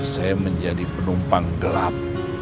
saya menjadi penumpang gelap